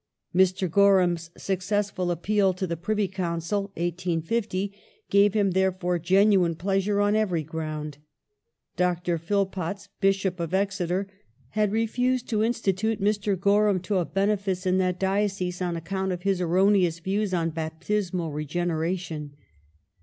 Mr. Gorham's successful appeal to the Privy Council (1850) gave him, therefore, genuine pleasure on every ground. Dr. Phillpotts, Bishop of Exeter, had refused to institute Mr. Gorham to a benefice in that diocese on account of his erroneous views on baptismal regeneration.